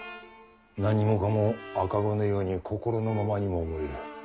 何もかも赤子のように心のままにも思える。